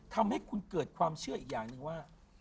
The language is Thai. ทำให้คุณเกิดความเชื่ออีกอย่างหนึ่งว่า